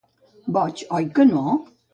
Boig, oi que no?